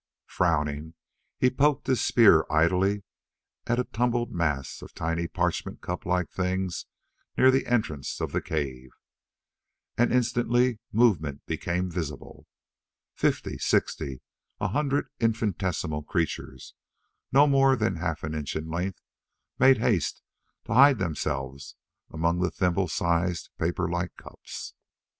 Frowning, he poked his spear idly at a tumbled mass of tiny parchment cup like things near the entrance of a cave. And instantly movement became visible. Fifty, sixty, a hundred infinitesimal creatures, no more than half an inch in length, made haste to hide themselves among the thimble sized paperlike cups.